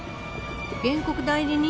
原告代理人